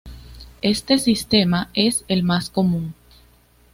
Este sistema es el más común.